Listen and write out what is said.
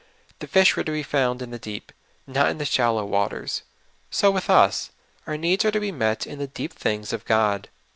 The fish w^ere to be found in the deep, not in the shal low water. So with us ; our needs are to be met in the deep things of God.